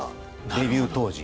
デビュー当時。